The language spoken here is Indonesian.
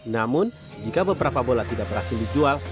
namun jika beberapa bola tidak berhasil dijual